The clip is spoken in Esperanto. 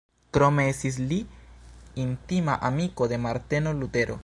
Krome estis li intima amiko de Marteno Lutero.